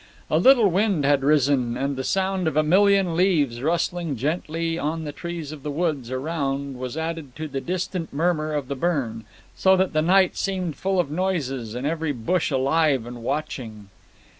A little wind had risen, and the sound of a million leaves rustling gently on the trees of the woods around was added to the distant murmur of the burn, so that the night seemed full of noises, and every bush alive and watching.